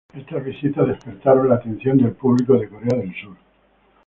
Estas visitas despertaron la atención del público de Corea del Sur.